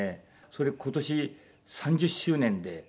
それ今年３０周年で。